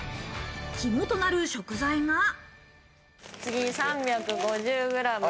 肝となる食材が。